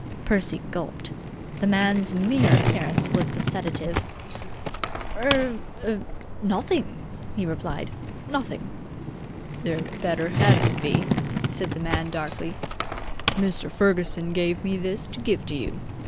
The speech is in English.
Percy gulped. The man's mere appearance was a sedative. "Er nothing!" he replied. "Nothing!" "There better hadn't be!" said the man darkly. "Mr. Ferguson give me this to give to you.